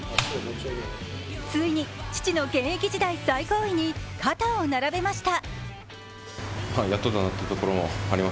ついに父の現役時代最高位に肩を並べました。